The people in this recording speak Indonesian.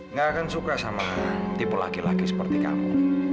nggak akan suka sama tipe laki laki seperti kamu